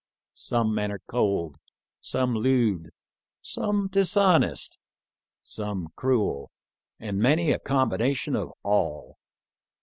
Some men are cold, some lewd, some dis honest, some cruel, and many a combination of all.